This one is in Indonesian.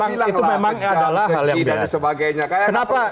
itu memang adalah hal yang benar